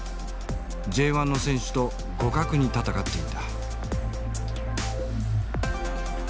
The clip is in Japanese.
Ｊ１の選手と互角に戦っていた。